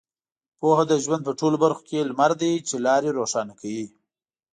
پوهه د ژوند په ټولو برخو کې لمر دی چې لارې روښانه کوي.